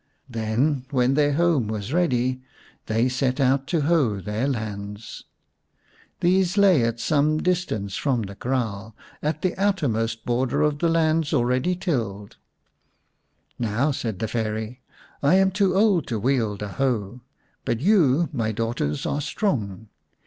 Then when their home was ready, they set out to hoe their lands. These lay at some 156 xin The Reward of Industry distance from the kraal, at the outermost border of the lands already tilled. " Now," said the Fairy, " I am too old to wield a hoe, but you, my daughters, are strong.